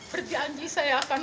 berjanji saya akan